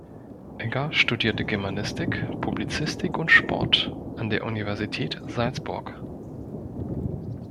Egger studierte Germanistik, Publizistik und Sport an der Universität Salzburg.